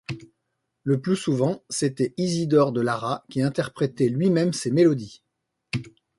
Le plus souvent, c'était Isidore de Lara, qui interprétait lui-même ses mélodies.